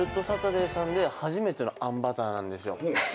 サタデー」さんで初めてのあんバターなんですよ。